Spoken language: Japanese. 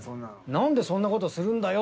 「何でそんなことするんだよ」